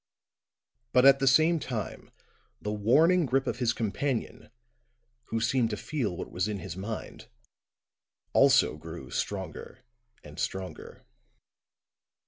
But at the same time the warning grip of his companion, who seemed to feel what was in his mind, also grew stronger and stronger.